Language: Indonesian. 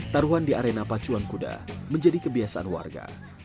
taruhan di arena pacuan kuda menjadi kebiasaan warga